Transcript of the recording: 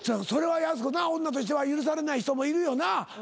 それはやす子な女としては許されない人もいるよな？